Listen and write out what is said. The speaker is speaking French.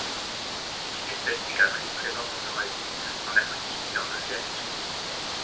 C'est une espèce migratrice présente en Eurasie, en Afrique et en Océanie.